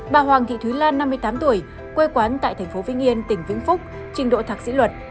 bà hoàng thị thúy lan năm mươi tám tuổi quê quán tại tp vinh yên tỉnh vĩnh phúc trình độ thạc sĩ luật